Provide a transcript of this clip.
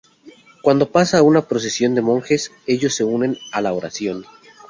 Cuando pasa una procesión de monjes, ellos se unen a la oración.